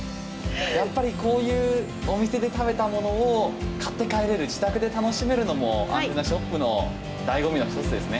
やっぱり、こういうお店で食べたものを買って帰れる自宅で楽しめるのもアンテナショップの醍醐味の１つですね。